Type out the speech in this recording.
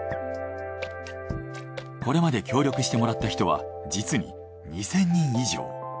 これまで協力してもらった人は実に２，０００人以上。